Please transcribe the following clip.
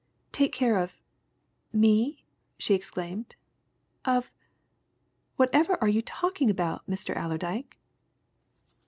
"Take care of me!" she exclaimed. "Of whatever are you talking about, Mr. Allerdyke?"